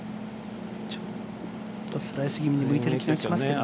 ちょっとスライス気味に向いている気はしますけどね。